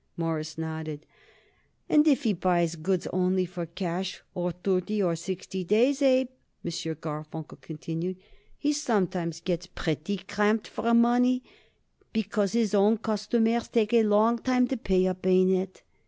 Morris nodded. "And if he buys goods only for cash or thirty or sixty days, Abe," M. Garfunkel continued, "he sometimes gets pretty cramped for money, because his own customers takes a long time to pay up. Ain't it?"